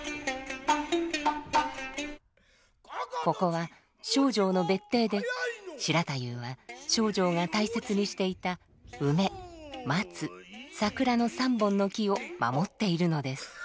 ここは丞相の別邸で白太夫は丞相が大切にしていた梅松桜の３本の木を守っているのです。